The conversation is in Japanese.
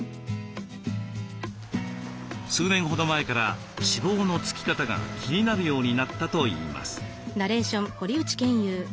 数年ほど前から脂肪のつき方が気になるようになったといいます。